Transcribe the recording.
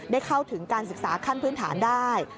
เข้าถึงการศึกษาขั้นพื้นฐานได้